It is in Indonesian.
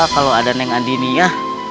kalau ada neng adiniya